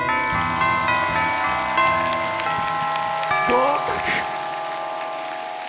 合格！